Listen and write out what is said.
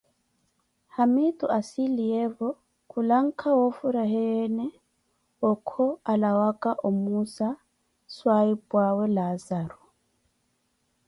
Haamitu anssiliyevo, khulanka wa ofhurahiwene okho alawaka omuuza swahipwaawe Laazaro.